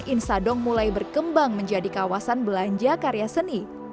insadong mulai berkembang menjadi kawasan belanja karya seni